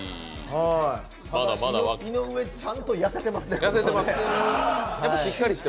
井上、ちゃんと痩せてますね。